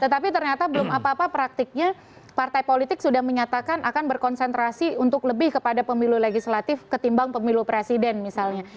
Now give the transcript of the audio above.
tetapi ternyata belum apa apa praktiknya partai politik sudah menyatakan akan berkonsentrasi untuk lebih kepada pemilu legislatif ketimbang pemilu presiden misalnya